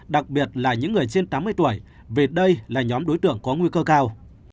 đặc biệt là những người trên tám mươi tuổi vì đây là nhóm đối tượng có nguy cơ cao